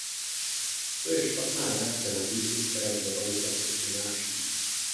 To je špatná reakce na výzvy, které globalizace přináší.